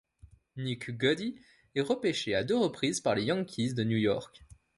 Nick Goody est repêché à deux reprises par les Yankees de New York.